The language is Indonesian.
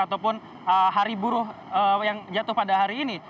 ataupun hari buruh yang jatuh pada hari ini